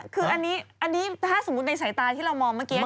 คืออันนี้ถ้าสมมุติในสายตาที่เรามองเมื่อกี้